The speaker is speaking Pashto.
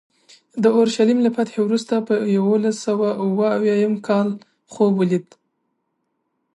د اورشلیم له فتحې وروسته په یوولس سوه اویا اووم کال خوب ولید.